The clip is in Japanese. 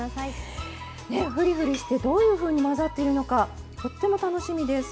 ふりふりしてどういうふうに混ざっているのかとっても楽しみです。